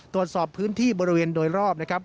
ตรวจสอบพื้นที่บริเวณโดยรอบ